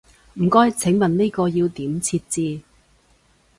唔該，請問呢個要點設置？